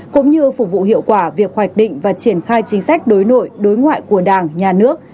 cũng như phục vụ hiệu quả việc hoạch định và triển khai chính sách đối nội đối ngoại của đảng nhà nước